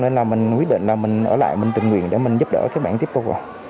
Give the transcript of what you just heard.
nên là mình quyết định là mình ở lại mình tình nguyện để mình giúp đỡ các bạn tiếp tục